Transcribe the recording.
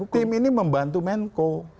tim ini membantu menko